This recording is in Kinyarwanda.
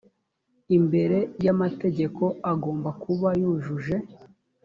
imbere y amategeko agomba kuba yujuje